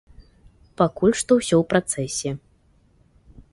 Пакуль што ўсё ў працэсе.